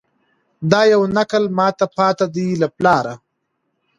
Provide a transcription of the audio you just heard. دا یو نکل ماته پاته دی له پلاره